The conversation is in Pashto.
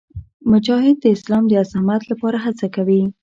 مجاهد د اسلام د عظمت لپاره هڅه کوي.